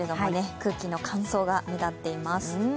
空気の乾燥が目立っています。